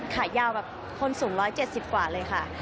ขายาวแบบคนสูง๑๗๐กว่าเลยค่ะ